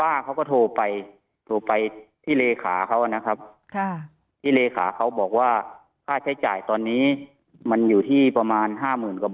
แต่เขาไม่ได้พี่แจ้งว่าเป็นค่าอะไรยังไงครับ